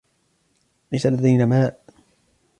ليس لدينا ماء.